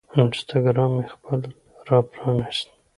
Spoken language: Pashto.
انسټاګرام مې خپل راپرانیست